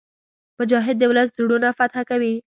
مجاهد د ولس زړونه فتح کوي.